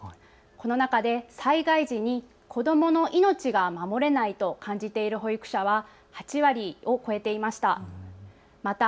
この中で災害時に子どもの命が守れないと感じている保育者は８割を超えていました。